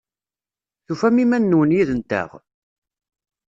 Tufam iman-nwen yid-nteɣ?